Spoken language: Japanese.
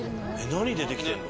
何で出来てんの？